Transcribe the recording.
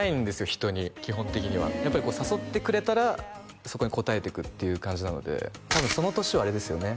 人に基本的にはやっぱりこう誘ってくれたらそこに応えていくっていう感じなので多分その年はあれですよね